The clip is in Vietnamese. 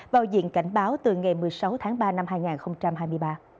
vào diện cảnh báo từ ngày một mươi sáu tháng ba năm hai nghìn hai mươi ba